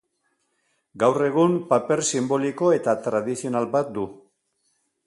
Gaur egun, paper sinboliko eta tradizional bat du.